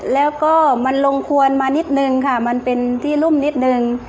แล้วก็มันลงควรมานิดนึงค่ะมันเป็นที่รุ่มนิดนึง